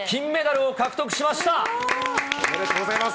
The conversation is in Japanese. おめでとうございます。